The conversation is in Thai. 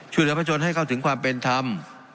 พระชนให้เข้าถึงความเป็นธรรม